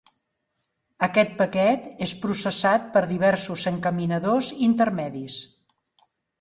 Aquest paquet és processat per diversos encaminadors intermedis.